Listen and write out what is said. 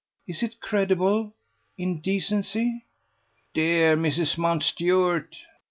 is it credible, in decency?" "Dear Mrs. Mountstuart!"